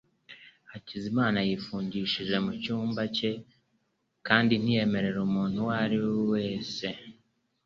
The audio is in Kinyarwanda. Hakizamana yifungishije mu cyumba cye kandi ntiyemerera umuntu uwo ari we wese.